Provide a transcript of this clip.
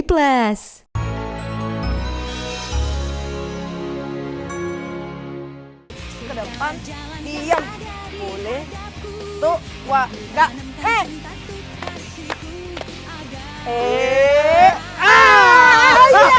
boleh tuh wah gak he